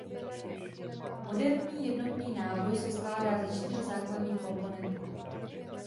Moderní jednotný náboj se skládá ze čtyř základních komponentů.